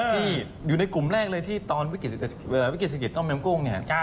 ที่อยู่ในกลุ่มแรกเลยที่ตอนวิกฤตเศรษฐกิจต้มแมมกุ้งเนี่ย